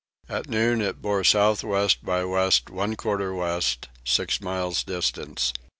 At noon it bore south west by west one quarter west, six miles distant.